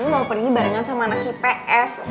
mau pergi barengan sama anak ips